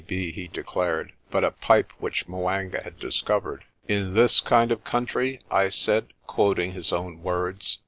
D.B., he declared, but a pipe which 'Mwanga had discovered. "In this kind of country?" I said, quoting his own words.